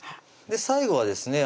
最後はですね